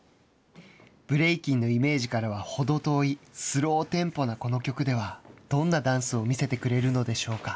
ブレイキンのイメージからはほど遠いスローテンポなこの曲ではどんなダンスを見せてくれるのでしょうか。